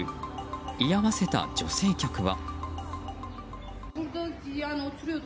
居合わせた女性客は。